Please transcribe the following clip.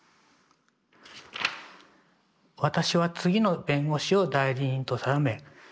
「私は次の弁護士を代理人と定め」。